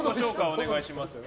お願いします。